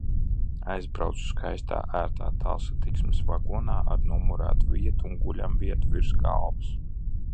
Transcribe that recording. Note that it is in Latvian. Aizbraucu skaistā, ērtā tālsatiksmes vagonā ar numurētu vietu un guļamvietu virs galvas.